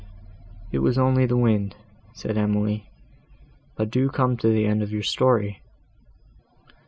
"It was only the wind," said Emily, "but do come to the end of your story."